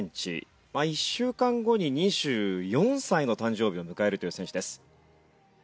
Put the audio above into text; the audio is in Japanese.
１週間後に２４歳の誕生日を迎えるという選手です。